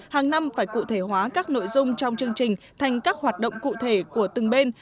hàng năm phải cụ thể hóa các nội dung trong chương trình thành các hoạt động cụ thể của từng bên